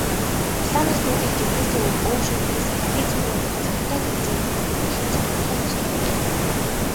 Исламистуудыг жинхэнээсээ өөгшүүлдэг салафизм руу урт сахалтай тэмцээд ирэхийн цагт тулах л ёстой болдог.